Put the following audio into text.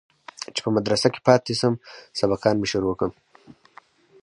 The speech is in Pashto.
چې په مدرسه كښې پاته سم سبقان مې شروع كم.